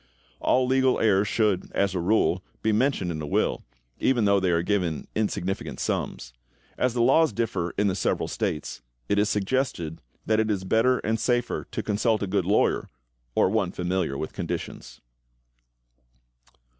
All legal heirs should, as a rule, be mentioned in a will, even though they are given insignificant sums. As the laws differ in the several states, it is suggested that it is better and safer to consult a good lawyer, or one familiar with conditions.